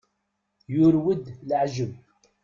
Yurew-d leɛǧeb.